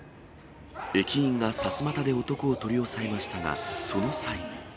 駅員がさすまたで男を取り押さえましたが、その際。